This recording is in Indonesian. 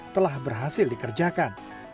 telah berhasil dikerjakan